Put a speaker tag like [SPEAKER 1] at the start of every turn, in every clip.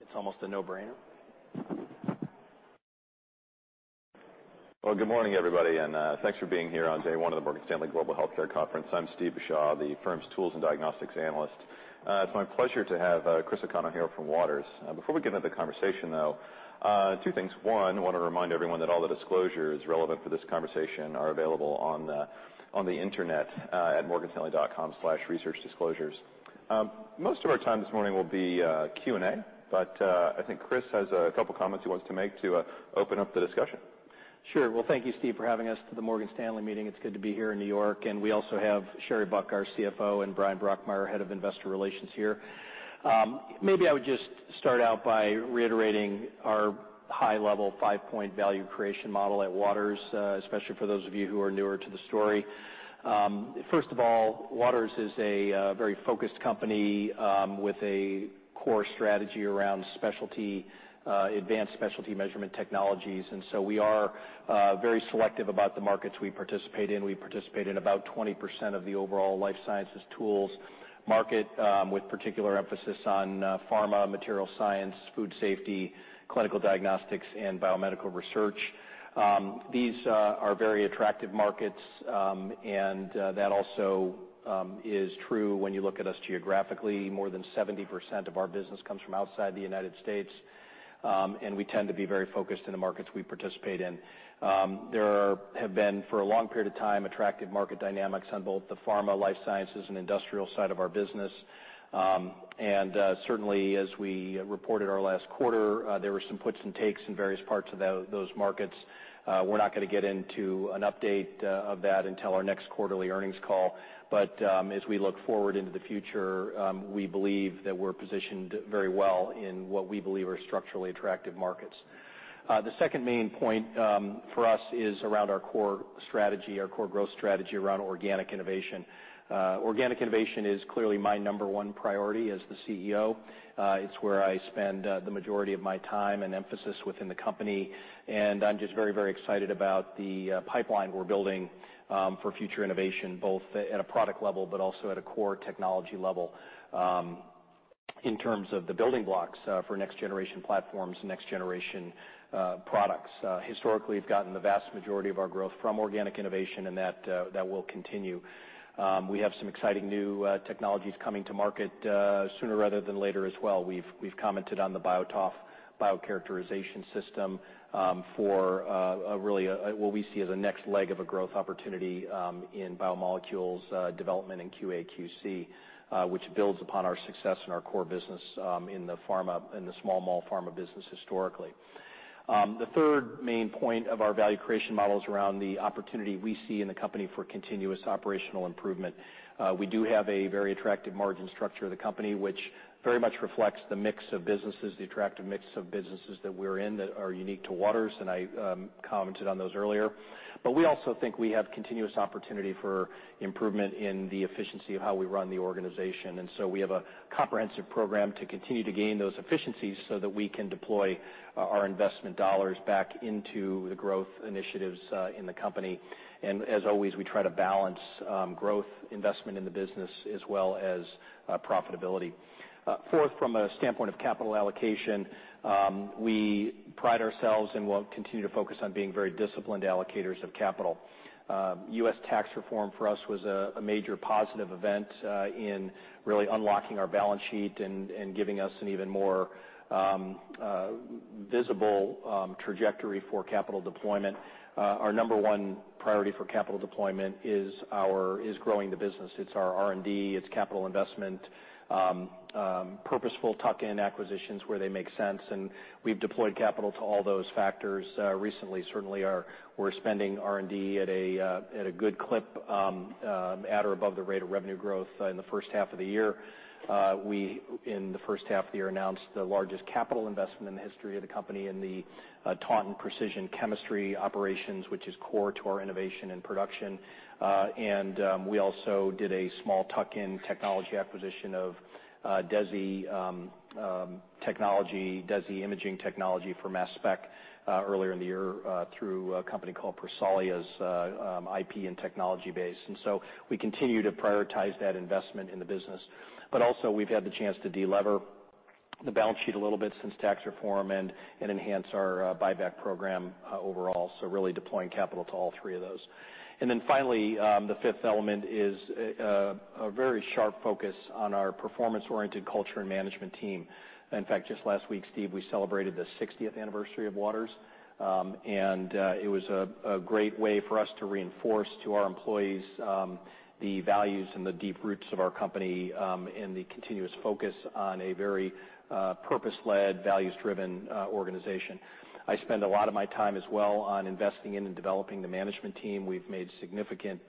[SPEAKER 1] Now that we're in the air, it's almost a no-brainer.
[SPEAKER 2] Good morning, everybody, and thanks for being here on day one of the Morgan Stanley Global Healthcare Conference. I'm Steve Beuchaw, the firm's Tools and Diagnostics Analyst. It's my pleasure to have Chris O'Connell here from Waters. Before we get into the conversation, though, two things. One, I want to remind everyone that all the disclosures relevant for this conversation are available on the internet, at morganstanley.com/researchdisclosures. Most of our time this morning will be Q&A, but I think Chris has a couple of comments he wants to make to open up the discussion.
[SPEAKER 1] Sure. Well, thank you, Steve, for having us to the Morgan Stanley meeting. It's good to be here in New York. We also have Sherry Buck, our CFO, and Bryan Brokmeier, Head of Investor Relations here. Maybe I would just start out by reiterating our high-level five-point value creation model at Waters, especially for those of you who are newer to the story. First of all, Waters is a very focused company, with a core strategy around specialty, advanced specialty measurement technologies. So we are very selective about the markets we participate in. We participate in about 20% of the overall life sciences tools market, with particular emphasis on pharma, material science, food safety, clinical diagnostics, and biomedical research. These are very attractive markets, and that also is true when you look at us geographically. More than 70% of our business comes from outside the United States, and we tend to be very focused in the markets we participate in. There have been, for a long period of time, attractive market dynamics on both the pharma, life sciences, and industrial side of our business, and certainly, as we reported our last quarter, there were some puts and takes in various parts of those markets. We're not going to get into an update of that until our next quarterly earnings call, but as we look forward into the future, we believe that we're positioned very well in what we believe are structurally attractive markets. The second main point for us is around our core strategy, our core growth strategy around organic innovation. Organic innovation is clearly my number one priority as the CEO. It's where I spend the majority of my time and emphasis within the company, and I'm just very, very excited about the pipeline we're building for future innovation, both at a product level but also at a core technology level, in terms of the building blocks for next-generation platforms and next-generation products. Historically, we've gotten the vast majority of our growth from organic innovation, and that will continue. We have some exciting new technologies coming to market sooner rather than later as well. We've commented on the BioTOF biocharacterization system for really a what we see as a next leg of a growth opportunity in biomolecules development and QA/QC, which builds upon our success and our core business in the pharma in the small molecule pharma business historically. The third main point of our value creation model is around the opportunity we see in the company for continuous operational improvement. We do have a very attractive margin structure of the company, which very much reflects the mix of businesses, the attractive mix of businesses that we're in that are unique to Waters. And I commented on those earlier. But we also think we have continuous opportunity for improvement in the efficiency of how we run the organization. And so we have a comprehensive program to continue to gain those efficiencies so that we can deploy our investment dollars back into the growth initiatives in the company. And as always, we try to balance growth, investment in the business, as well as profitability. Fourth, from a standpoint of capital allocation, we pride ourselves and will continue to focus on being very disciplined allocators of capital. U.S. tax reform for us was a major positive event in really unlocking our balance sheet and giving us an even more visible trajectory for capital deployment. Our number one priority for capital deployment is growing the business. It's our R&D, it's capital investment, purposeful tuck-in acquisitions where they make sense. And we've deployed capital to all those factors recently. Certainly, we're spending R&D at a good clip, at or above the rate of revenue growth in the first half of the year. We in the first half of the year announced the largest capital investment in the history of the company in the Taunton Precision Chemistry operations, which is core to our innovation and production. And we also did a small tuck-in technology acquisition of DESI technology, DESI imaging technology mass spec, earlier in the year, through a company called Prosolia's IP and technology base. And so we continue to prioritize that investment in the business. But also, we've had the chance to delever the balance sheet a little bit since tax reform and enhance our buyback program overall. So really deploying capital to all three of those. And then finally, the fifth element is a very sharp focus on our performance-oriented culture and management team. In fact, just last week, Steve, we celebrated the 60th anniversary of Waters. And it was a great way for us to reinforce to our employees the values and the deep roots of our company, and the continuous focus on a very purpose-led, values-driven organization. I spend a lot of my time as well on investing in and developing the management team. We've made significant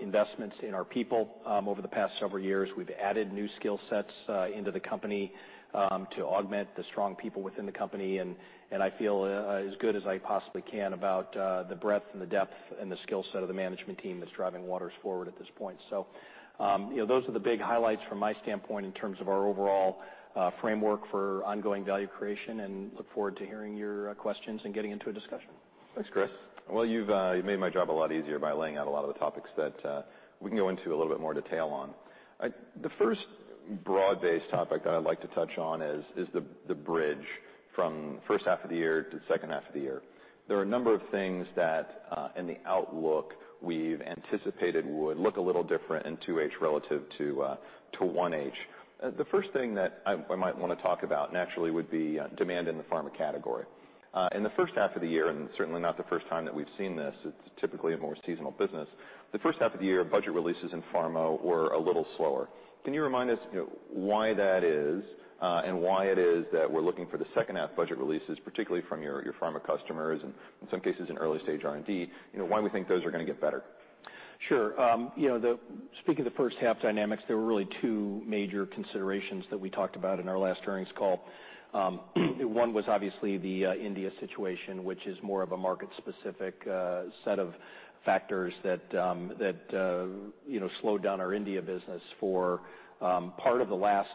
[SPEAKER 1] investments in our people over the past several years. We've added new skill sets into the company to augment the strong people within the company. And I feel as good as I possibly can about the breadth and the depth and the skill set of the management team that's driving Waters forward at this point. So you know, those are the big highlights from my standpoint in terms of our overall framework for ongoing value creation. And look forward to hearing your questions and getting into a discussion.
[SPEAKER 2] Thanks, Chris. Well, you've made my job a lot easier by laying out a lot of the topics that we can go into a little bit more detail on. The first broad-based topic that I'd like to touch on is the bridge from first half of the year to second half of the year. There are a number of things that, in the outlook, we've anticipated would look a little different in 2H relative to 1H. The first thing that I might want to talk about naturally would be demand in the pharma category. In the first half of the year, and certainly not the first time that we've seen this, it's typically a more seasonal business. The first half of the year, budget releases in pharma were a little slower. Can you remind us, you know, why that is, and why it is that we're looking for the second half budget releases, particularly from your, your pharma customers and, in some cases, in early-stage R&D, you know, why we think those are going to get better?
[SPEAKER 1] Sure. You know, speaking of the first half dynamics, there were really two major considerations that we talked about in our last earnings call. One was obviously the India situation, which is more of a market-specific set of factors that you know, slowed down our India business for part of last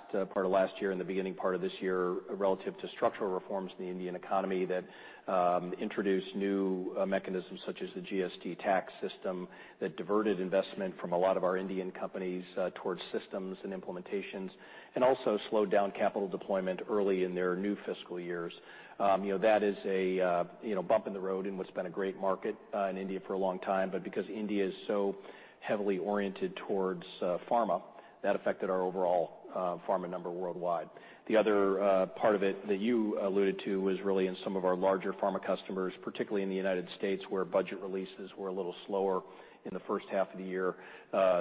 [SPEAKER 1] year and the beginning part of this year relative to structural reforms in the Indian economy that introduced new mechanisms such as the GST tax system that diverted investment from a lot of our Indian companies towards systems and implementations, and also slowed down capital deployment early in their new fiscal years. You know, that is a you know, bump in the road in what's been a great market in India for a long time. But because India is so heavily oriented towards pharma, that affected our overall pharma number worldwide. The other part of it that you alluded to was really in some of our larger pharma customers, particularly in the United States, where budget releases were a little slower in the first half of the year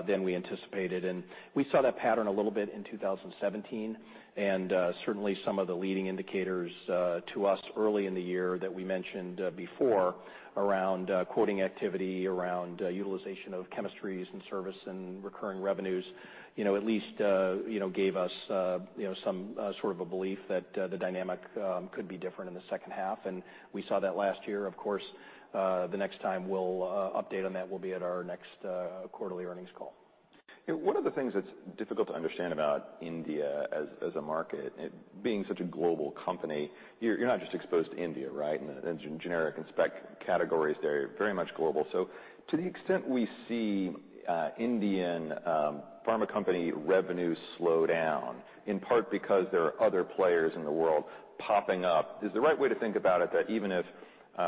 [SPEAKER 1] than we anticipated, and we saw that pattern a little bit in 2017. Certainly, some of the leading indicators to us early in the year that we mentioned before, around quoting activity, around utilization of chemistries and service and recurring revenues, you know, at least, you know, gave us, you know, some sort of a belief that the dynamic could be different in the second half, and we saw that last year. Of course, the next time we'll update on that will be at our next quarterly earnings call.
[SPEAKER 2] You know, one of the things that's difficult to understand about India as a market, it being such a global company, you're not just exposed to India, right? And the generic and spec categories there, very much global. So to the extent we see Indian pharma company revenues slow down, in part because there are other players in the world popping up, is the right way to think about it that even if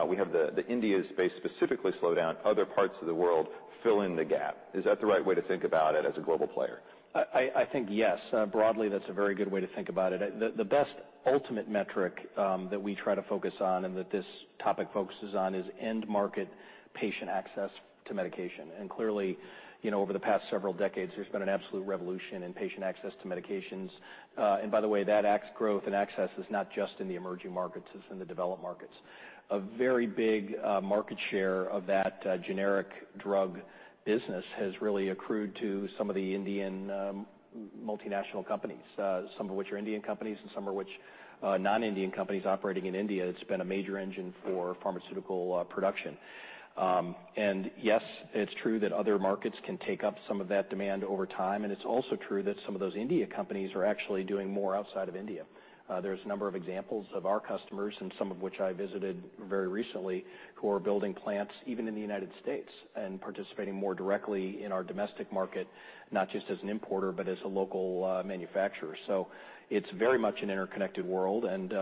[SPEAKER 2] we have the India space specifically slow down, other parts of the world fill in the gap. Is that the right way to think about it as a global player?
[SPEAKER 1] I think yes. Broadly, that's a very good way to think about it. The best ultimate metric that we try to focus on and that this topic focuses on is end-market patient access to medication. And clearly, you know, over the past several decades, there's been an absolute revolution in patient access to medications. And by the way, that access growth and access is not just in the emerging markets, it's in the developed markets. A very big market share of that generic drug business has really accrued to some of the Indian multinational companies, some of which are Indian companies and some of which non-Indian companies operating in India. That's been a major engine for pharmaceutical production. And yes, it's true that other markets can take up some of that demand over time. And it's also true that some of those India companies are actually doing more outside of India. There's a number of examples of our customers, and some of which I visited very recently, who are building plants even in the United States and participating more directly in our domestic market, not just as an importer, but as a local manufacturer. So it's very much an interconnected world. And,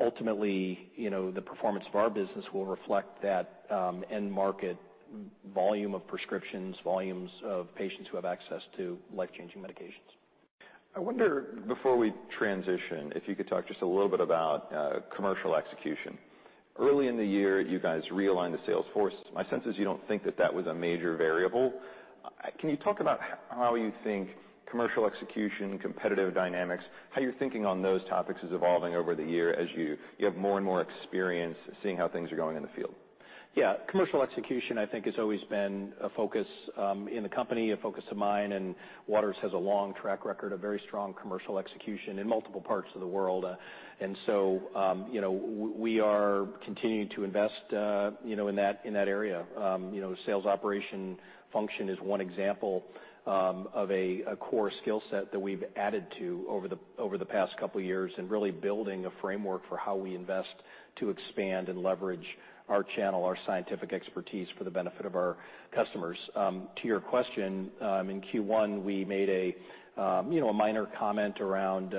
[SPEAKER 1] ultimately, you know, the performance of our business will reflect that end-market volume of prescriptions, volumes of patients who have access to life-changing medications.
[SPEAKER 2] I wonder, before we transition, if you could talk just a little bit about commercial execution. Early in the year, you guys realigned the sales force. My sense is you don't think that that was a major variable. Can you talk about how you think commercial execution, competitive dynamics, how you're thinking on those topics is evolving over the year as you, you have more and more experience seeing how things are going in the field?
[SPEAKER 1] Yeah. Commercial execution, I think, has always been a focus, in the company, a focus of mine. And Waters has a long track record of very strong commercial execution in multiple parts of the world. And so, you know, we are continuing to invest, you know, in that area. You know, sales operation function is one example, of a core skill set that we've added to over the past couple of years and really building a framework for how we invest to expand and leverage our channel, our scientific expertise for the benefit of our customers. To your question, in Q1, we made a, you know, a minor comment around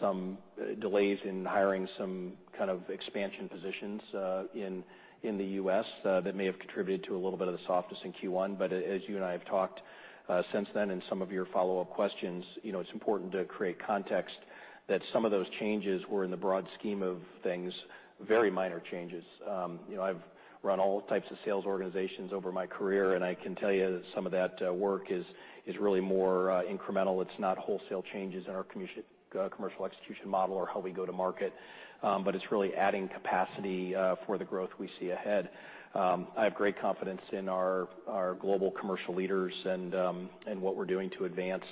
[SPEAKER 1] some delays in hiring some kind of expansion positions, in the U.S., that may have contributed to a little bit of the softness in Q1. But as you and I have talked since then and some of your follow-up questions, you know, it's important to create context that some of those changes were in the broad scheme of things, very minor changes. You know, I've run all types of sales organizations over my career, and I can tell you that some of that work is really more incremental. It's not wholesale changes in our commission, commercial execution model or how we go to market. But it's really adding capacity for the growth we see ahead. I have great confidence in our global commercial leaders and what we're doing to advance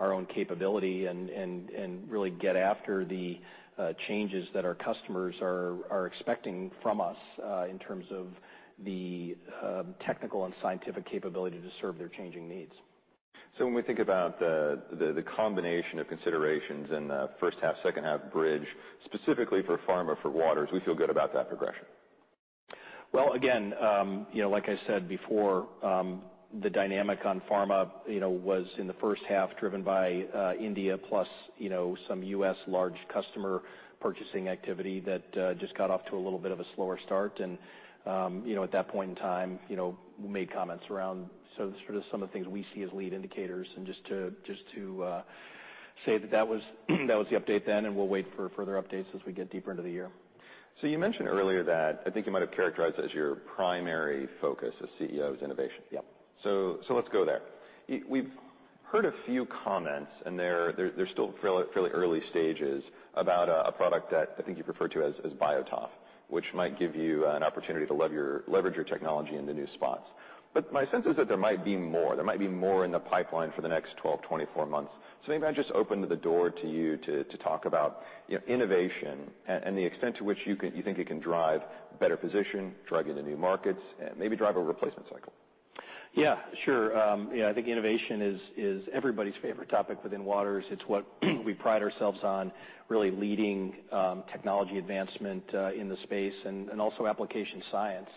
[SPEAKER 1] our own capability and really get after the changes that our customers are expecting from us, in terms of the technical and scientific capability to serve their changing needs.
[SPEAKER 2] When we think about the combination of considerations and the first half, second half bridge specifically for pharma for Waters, we feel good about that progression.
[SPEAKER 1] Again, you know, like I said before, the dynamic on pharma, you know, was in the first half driven by India plus, you know, some U.S. large customer purchasing activity that just got off to a little bit of a slower start. You know, at that point in time, you know, we made comments around so sort of some of the things we see as lead indicators. Just to say that that was the update then, and we'll wait for further updates as we get deeper into the year.
[SPEAKER 2] So you mentioned earlier that I think you might have characterized it as your primary focus as CEO is innovation.
[SPEAKER 1] Yep.
[SPEAKER 2] Let's go there. Yeah, we've heard a few comments, and they're still fairly early stages about a product that I think you've referred to as BioTOF, which might give you an opportunity to leverage your technology in the new spots. But my sense is that there might be more. There might be more in the pipeline for the next 12-24 months. Maybe I just open the door to you to talk about, you know, innovation and the extent to which you think it can drive better position, drug into new markets, and maybe drive a replacement cycle.
[SPEAKER 1] Yeah. Sure. You know, I think innovation is everybody's favorite topic within Waters. It's what we pride ourselves on, really leading technology advancement in the space and also application science.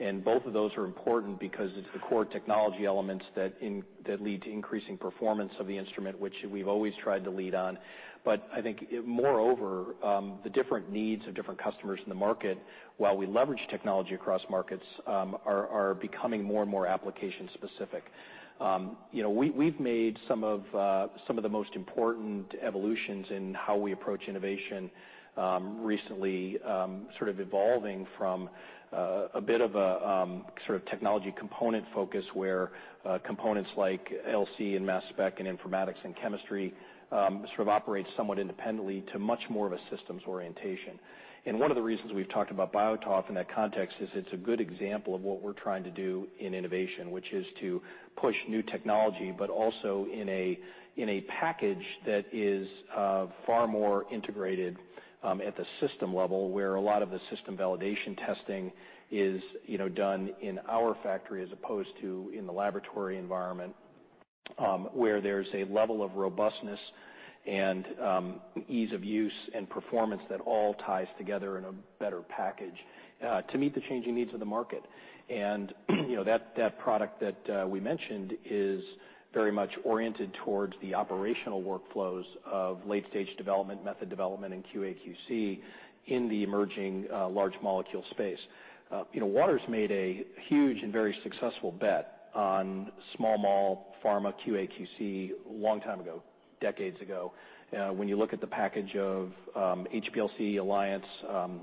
[SPEAKER 1] And both of those are important because it's the core technology elements that lead to increasing performance of the instrument, which we've always tried to lead on. But I think, moreover, the different needs of different customers in the market, while we leverage technology across markets, are becoming more and more application-specific. You know, we've made some of the most important evolutions in how we approach innovation, recently, sort of evolving from a bit of a sort of technology component focus where components like LC mass spec and informatics and chemistry sort of operate somewhat independently to much more of a systems orientation. One of the reasons we've talked about BioTOF in that context is it's a good example of what we're trying to do in innovation, which is to push new technology, but also in a package that is far more integrated at the system level where a lot of the system validation testing is, you know, done in our factory as opposed to in the laboratory environment, where there's a level of robustness and ease of use and performance that all ties together in a better package to meet the changing needs of the market. You know, that product we mentioned is very much oriented towards the operational workflows of late-stage development, method development, and QA/QC in the emerging large molecule space. You know, Waters made a huge and very successful bet on small molecule pharma QA/QC a long time ago, decades ago. When you look at the package of HPLC, Alliance,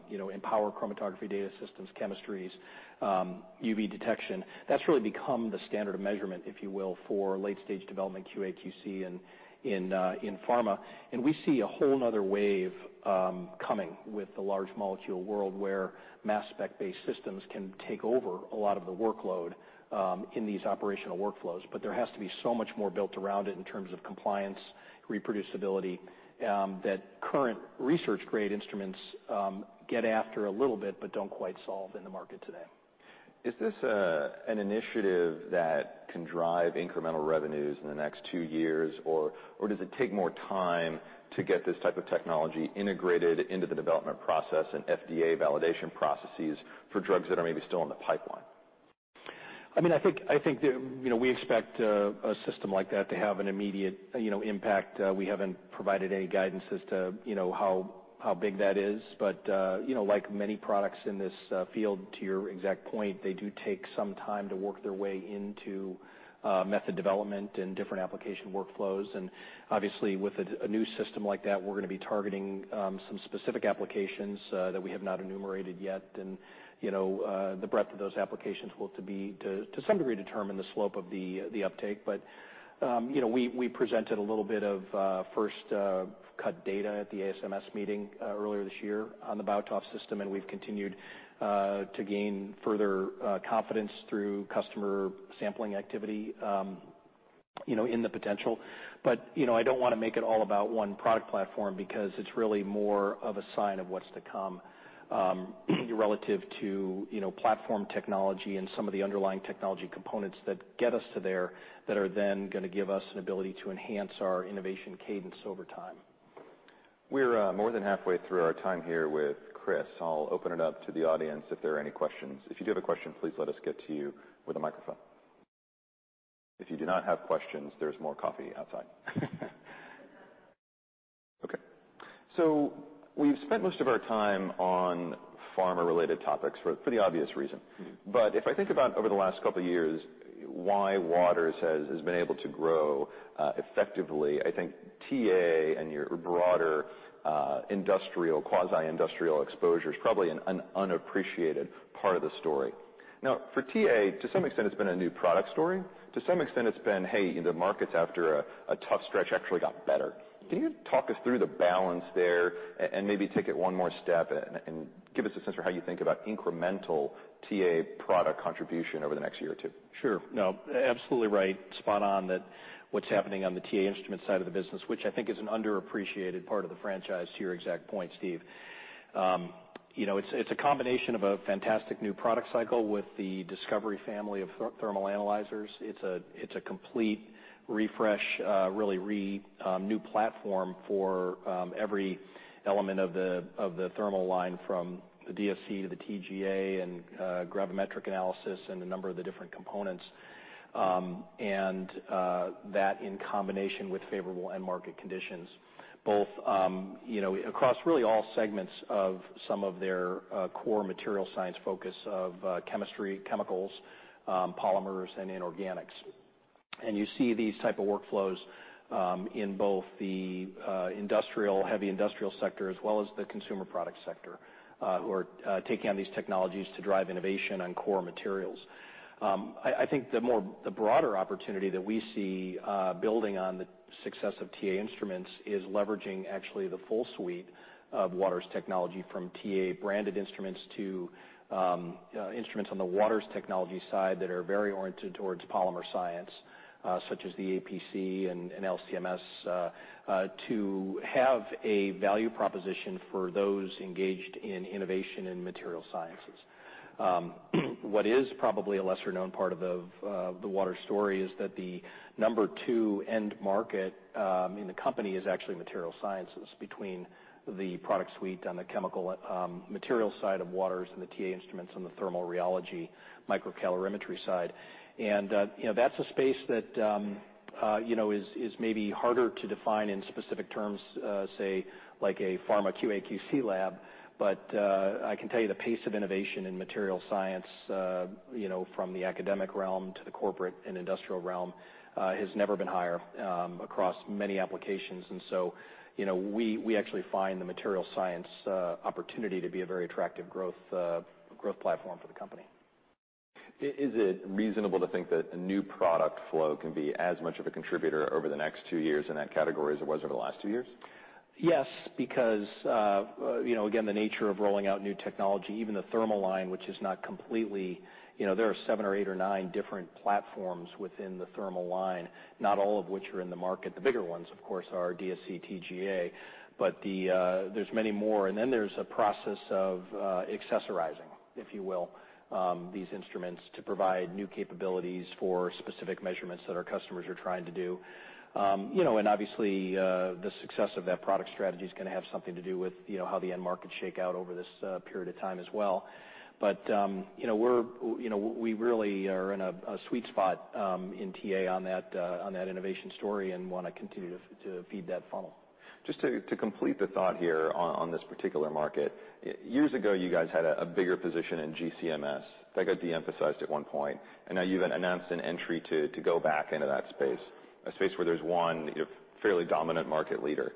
[SPEAKER 1] you know, and Empower chromatography data systems, chemistries, UV detection, that's really become the standard of measurement, if you will, for late-stage development QA/QC in pharma. And we see a whole nother wave coming with the large molecule world mass spec-based systems can take over a lot of the workload in these operational workflows. But there has to be so much more built around it in terms of compliance, reproducibility, that current research-grade instruments get after a little bit but don't quite solve in the market today.
[SPEAKER 2] Is this an initiative that can drive incremental revenues in the next two years, or does it take more time to get this type of technology integrated into the development process and FDA validation processes for drugs that are maybe still in the pipeline?
[SPEAKER 1] I mean, I think there, you know, we expect a system like that to have an immediate, you know, impact. We haven't provided any guidance as to, you know, how big that is. But you know, like many products in this field, to your exact point, they do take some time to work their way into method development and different application workflows. Obviously, with a new system like that, we're going to be targeting some specific applications that we have not enumerated yet. You know, the breadth of those applications will, to some degree, determine the slope of the uptake. But you know, we presented a little bit of first-cut data at the ASMS meeting earlier this year on the BioTOF system. And we've continued to gain further confidence through customer sampling activity, you know, in the potential. But, you know, I don't want to make it all about one product platform because it's really more of a sign of what's to come, relative to, you know, platform technology and some of the underlying technology components that get us to there that are then going to give us an ability to enhance our innovation cadence over time.
[SPEAKER 2] We're more than halfway through our time here with Chris. I'll open it up to the audience if there are any questions. If you do have a question, please let us get to you with a microphone. If you do not have questions, there's more coffee outside. Okay. So we've spent most of our time on pharma-related topics for the obvious reason. But if I think about over the last couple of years, why Waters has been able to grow, effectively, I think TA and your broader, industrial, quasi-industrial exposure is probably an unappreciated part of the story. Now, for TA, to some extent, it's been a new product story. To some extent, it's been, hey, you know, the markets after a tough stretch actually got better. Can you talk us through the balance there and, and maybe take it one more step and, and give us a sense for how you think about incremental TA product contribution over the next year or two?
[SPEAKER 1] Sure. No, absolutely right. Spot on that what's happening on the TA instrument side of the business, which I think is an underappreciated part of the franchise to your exact point, Steve. You know, it's a combination of a fantastic new product cycle with the Discovery family of thermal analyzers. It's a complete refresh, really new platform for every element of the thermal line from the DSC to the TGA and gravimetric analysis and a number of the different components. And that in combination with favorable end-market conditions, both, you know, across really all segments of some of their core material science focus of chemistry, chemicals, polymers, and inorganics. And you see these type of workflows in both the industrial heavy industrial sector as well as the consumer product sector, who are taking on these technologies to drive innovation on core materials. I think the broader opportunity that we see, building on the success of TA Instruments, is leveraging actually the full suite of Waters technology from TA-branded instruments to instruments on the Waters technology side that are very oriented towards polymer science, such as the APC and LC-MS, to have a value proposition for those engaged in innovation in material sciences. What is probably a lesser-known part of the Waters story is that the number two end market in the company is actually material sciences between the product suite on the chemical, material side of Waters and the TA Instruments on the thermal rheology microcalorimetry side. And you know, that's a space that you know is maybe harder to define in specific terms, say like a pharma QA/QC lab. I can tell you the pace of innovation in material science, you know, from the academic realm to the corporate and industrial realm, has never been higher, across many applications. You know, we actually find the material science opportunity to be a very attractive growth platform for the company.
[SPEAKER 2] Is it reasonable to think that a new product flow can be as much of a contributor over the next two years in that category as it was over the last two years?
[SPEAKER 1] Yes, because, you know, again, the nature of rolling out new technology, even the thermal line, which is not completely, you know, there are seven or eight or nine different platforms within the thermal line, not all of which are in the market. The bigger ones, of course, are DSC, TGA, but there's many more. And then there's a process of accessorizing, if you will, these instruments to provide new capabilities for specific measurements that our customers are trying to do. You know, and obviously, the success of that product strategy is going to have something to do with, you know, how the end markets shake out over this period of time as well. But, you know, we're, you know, we really are in a sweet spot in TA on that innovation story and want to continue to feed that funnel.
[SPEAKER 2] Just to complete the thought here on this particular market, years ago, you guys had a bigger position in GC-MS. I think I de-emphasized at one point, and now you've announced an entry to go back into that space, a space where there's one, you know, fairly dominant market leader.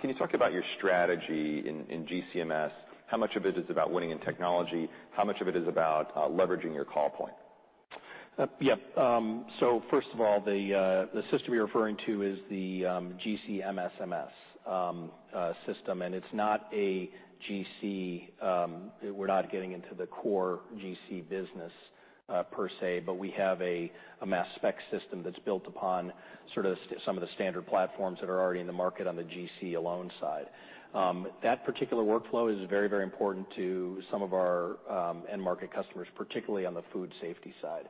[SPEAKER 2] Can you talk about your strategy in GC-MS? How much of it is about winning in technology? How much of it is about leveraging your call point?
[SPEAKER 1] Yeah. So first of all, the system you're referring to is the GC-MS/MS system. And it's not a GC. We're not getting into the core GC business, per se, but we have a mass spec system that's built upon sort of some of the standard platforms that are already in the market on the GC alone side. That particular workflow is very, very important to some of our end market customers, particularly on the food safety side.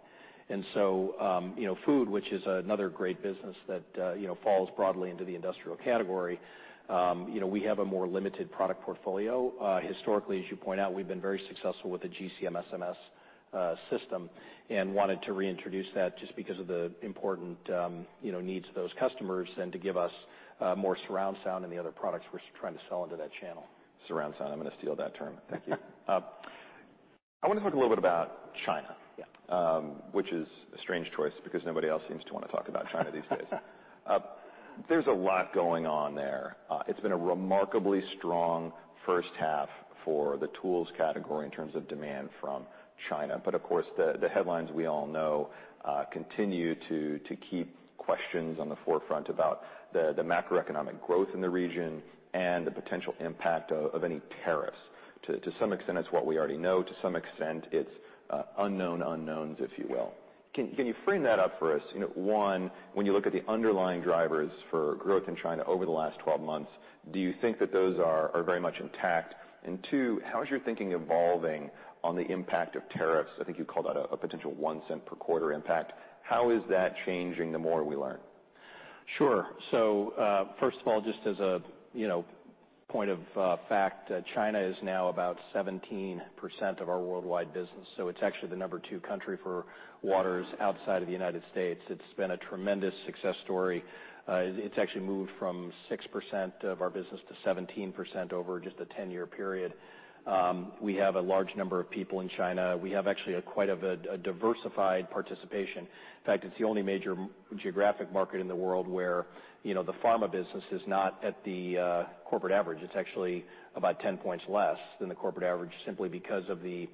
[SPEAKER 1] And so, you know, food, which is another great business that, you know, falls broadly into the industrial category, you know, we have a more limited product portfolio. Historically, as you point out, we've been very successful with the GC-MS/MS system and wanted to reintroduce that just because of the important, you know, needs of those customers and to give us more surround sound in the other products we're trying to sell into that channel.
[SPEAKER 2] Surround sound. I'm going to steal that term. Thank you. I want to talk a little bit about China.
[SPEAKER 1] Yeah.
[SPEAKER 2] Which is a strange choice because nobody else seems to want to talk about China these days. There's a lot going on there. It's been a remarkably strong first half for the tools category in terms of demand from China. But of course, the headlines we all know continue to keep questions on the forefront about the macroeconomic growth in the region and the potential impact of any tariffs. To some extent, it's what we already know. To some extent, it's unknown unknowns, if you will. Can you frame that up for us? You know, one, when you look at the underlying drivers for growth in China over the last 12 months, do you think that those are very much intact? And two, how is your thinking evolving on the impact of tariffs? I think you called out a potential $0.01 per quarter impact. How is that changing the more we learn?
[SPEAKER 1] Sure. So, first of all, just as a you know point of fact, China is now about 17% of our worldwide business. So it's actually the number two country for Waters outside of the United States. It's been a tremendous success story. It's actually moved from 6% of our business to 17% over just a 10-year period. We have a large number of people in China. We have actually a quite diversified participation. In fact, it's the only major geographic market in the world where, you know, the pharma business is not at the corporate average. It's actually about 10 points less than the corporate average simply because of the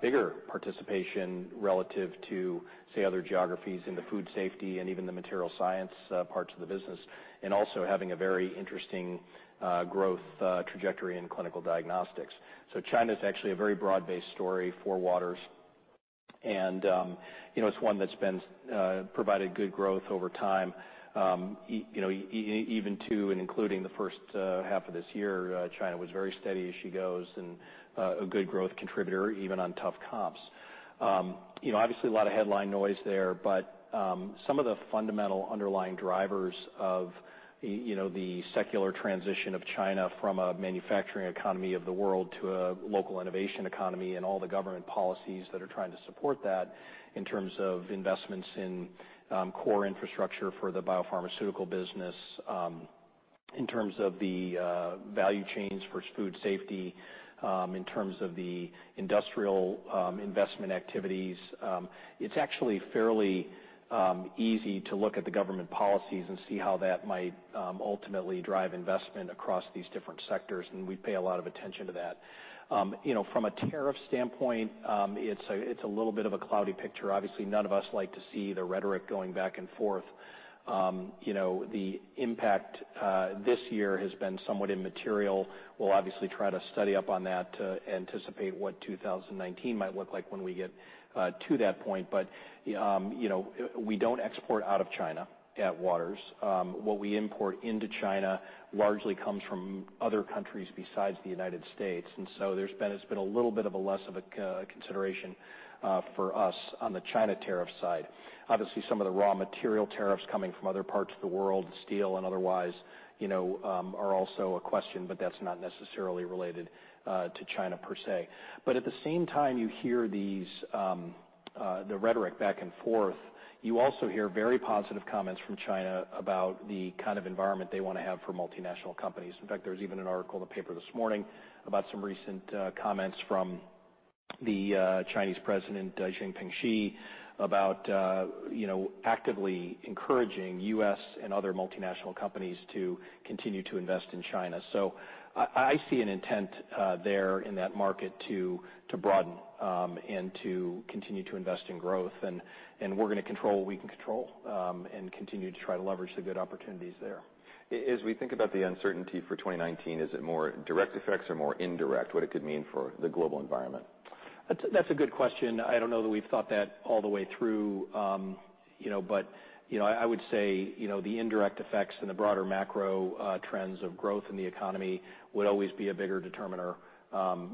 [SPEAKER 1] bigger participation relative to, say, other geographies in the food safety and even the material science parts of the business and also having a very interesting growth trajectory in clinical diagnostics. So China is actually a very broad-based story for Waters. And you know, it's one that's been provided good growth over time. You know, even to and including the first half of this year, China was very steady as she goes and a good growth contributor even on tough comps. You know, obviously, a lot of headline noise there. But some of the fundamental underlying drivers of you know, the secular transition of China from a manufacturing economy of the world to a local innovation economy and all the government policies that are trying to support that in terms of investments in core infrastructure for the biopharmaceutical business, in terms of the value chains for food safety, in terms of the industrial investment activities. It's actually fairly easy to look at the government policies and see how that might ultimately drive investment across these different sectors. And we pay a lot of attention to that, you know, from a tariff standpoint. It's a little bit of a cloudy picture. Obviously, none of us like to see the rhetoric going back and forth, you know. The impact this year has been somewhat immaterial. We'll obviously try to study up on that to anticipate what 2019 might look like when we get to that point. But, you know, we don't export out of China at Waters. What we import into China largely comes from other countries besides the United States. And so there's been a little bit of a less of a consideration for us on the China tariff side. Obviously, some of the raw material tariffs coming from other parts of the world, steel and otherwise, you know, are also a question, but that's not necessarily related to China per se. But at the same time, you hear these, the rhetoric back and forth. You also hear very positive comments from China about the kind of environment they want to have for multinational companies. In fact, there was even an article in the paper this morning about some recent, comments from the, Chinese president, Xi Jinping, about, you know, actively encouraging U.S. and other multinational companies to continue to invest in China. So I, I see an intent, there in that market to, to broaden, and to continue to invest in growth. And, and we're going to control what we can control, and continue to try to leverage the good opportunities there.
[SPEAKER 2] As we think about the uncertainty for 2019, is it more direct effects or more indirect what it could mean for the global environment?
[SPEAKER 1] That's a good question. I don't know that we've thought that all the way through, you know, but, you know, I would say, you know, the indirect effects and the broader macro trends of growth in the economy would always be a bigger determiner,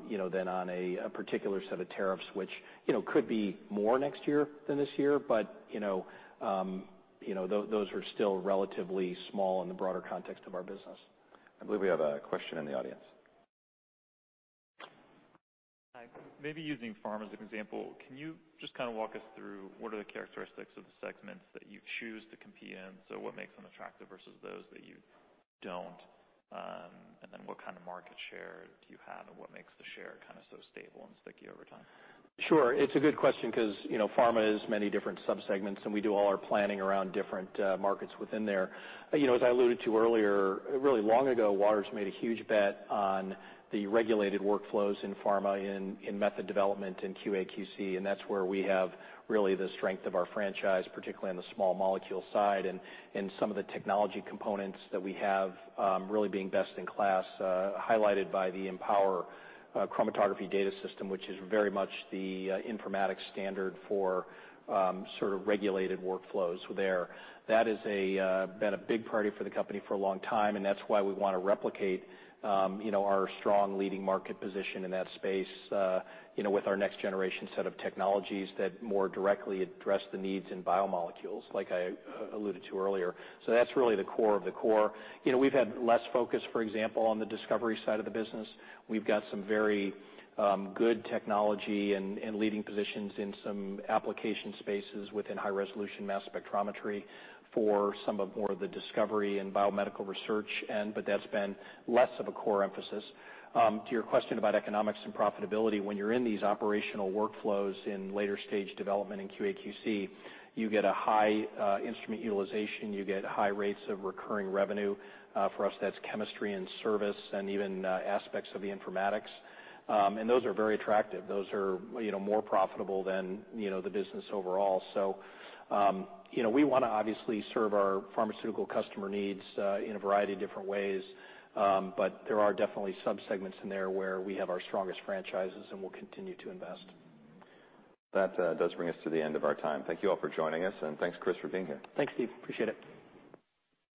[SPEAKER 1] you know, than a particular set of tariffs, which, you know, could be more next year than this year. But, you know, those are still relatively small in the broader context of our business.
[SPEAKER 2] I believe we have a question in the audience. Hi. Maybe using pharma as an example, can you just kind of walk us through what are the characteristics of the segments that you choose to compete in? So what makes them attractive versus those that you don't? And then what kind of market share do you have and what makes the share kind of so stable and sticky over time?
[SPEAKER 1] Sure. It's a good question because, you know, pharma has many different subsegments, and we do all our planning around different markets within there. You know, as I alluded to earlier, really long ago, Waters made a huge bet on the regulated workflows in pharma in method development and QA/QC. And that's where we have really the strength of our franchise, particularly on the small molecule side and some of the technology components that we have, really being best in class, highlighted by the Empower Chromatography Data System, which is very much the informatics standard for sort of regulated workflows there. That has been a big priority for the company for a long time. That's why we want to replicate, you know, our strong leading market position in that space, you know, with our next-generation set of technologies that more directly address the needs in biomolecules, like I alluded to earlier. So that's really the core of the core. You know, we've had less focus, for example, on the discovery side of the business. We've got some very good technology and leading positions in some application spaces within high-resolution mass spectrometry for some of the more discovery and biomedical research. But that's been less of a core emphasis. To your question about economics and profitability, when you're in these operational workflows in later-stage development in QA/QC, you get a high instrument utilization. You get high rates of recurring revenue. For us, that's chemistry and service and even aspects of the informatics. Those are very attractive. Those are, you know, more profitable than, you know, the business overall. So, you know, we want to obviously serve our pharmaceutical customer needs, in a variety of different ways, but there are definitely subsegments in there where we have our strongest franchises, and we'll continue to invest.
[SPEAKER 2] That does bring us to the end of our time. Thank you all for joining us, and thanks, Chris, for being here.
[SPEAKER 1] Thanks, Steve. Appreciate it.